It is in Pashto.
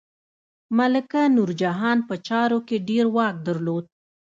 ملکه نورجهان په چارو کې ډیر واک درلود.